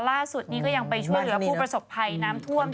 ล่าสุดนี้ก็ยังไปช่วยเหลือผู้ประสบภัยน้ำท่วม